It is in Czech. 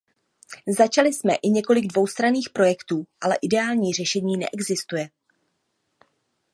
Začali jsme i několik dvoustranných projektů, ale ideální řešení neexistuje.